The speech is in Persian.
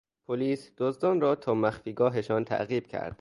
پلیس دزدان را تا مخفیگاهشان تعقیب کرد.